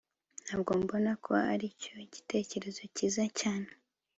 ntabwo mbona ko aricyo gitekerezo cyiza cyane